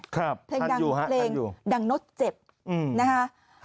ครับทันอยู่ทันอยู่เพลงดังโน้ตเจ็บหักรัก